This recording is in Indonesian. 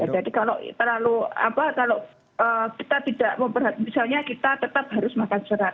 jadi kalau kita tidak memperhatikan misalnya kita tetap harus makan serat